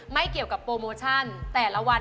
ไม่เกี่ยวกับโปรโมชั่นแต่ละวัน